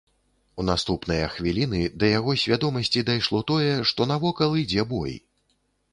У наступныя хвіліны да яго свядомасці дайшло тое, што навокал ідзе бой.